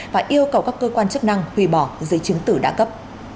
và yêu cầu các cơ quan chức năng hủy bỏ giấy chứng tử đã cấp